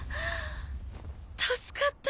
助かった。